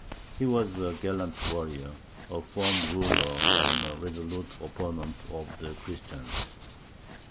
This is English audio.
He was a gallant warrior, a firm ruler, and a resolute opponent of the Christians.